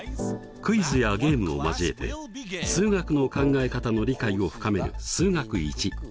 クイズやゲームを交えて数学の考え方の理解を深める「数学Ⅰ」。